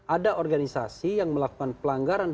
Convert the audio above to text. ada organisasi yang melakukan pelanggaran